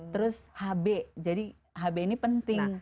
terus hb jadi hb ini penting